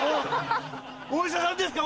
お医者さんですか？